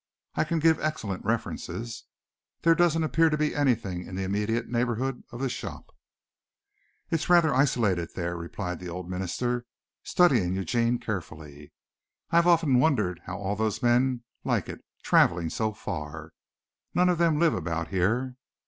I can give excellent references. There doesn't appear to be anything in the immediate neighborhood of the shop." "It is rather isolated there," replied the old minister, studying Eugene carefully. "I have often wondered how all those men like it, traveling so far. None of them live about here."